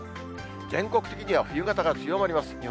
全国的には冬型が強まります。